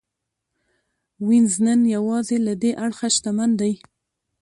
وینز نن یوازې له دې اړخه شتمن دی